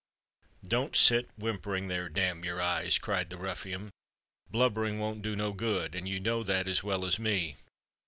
"Don't sit whimpering there, damn your eyes!" cried the ruffian. "Blubbering won't do no good—and you know that as well as me.